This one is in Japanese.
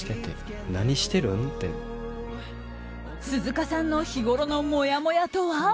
鈴鹿さんの日ごろのもやもやとは？